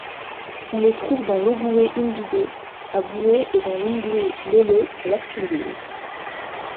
On les trouve dans l'Ogooué-Ivindo, à Booué et dans l'Ogooué-Lolo à Lastourville.